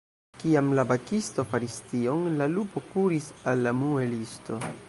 Kiam la bakisto faris tion, la lupo kuris al la muelisto.